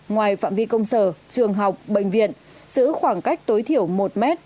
ngoài phạm vi công sở trường học bệnh viện giữ khoảng cách tối thiểu một m